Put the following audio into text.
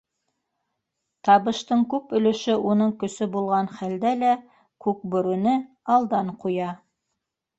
Табыштың күп өлөшө уның көсө булған хәлдә лә Күкбүрене алдан ҡуя.